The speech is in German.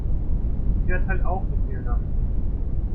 Ich werd halt auch nicht jünger.